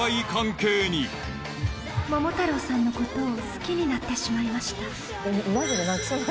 「桃太郎さんのことを好きになってしまいました」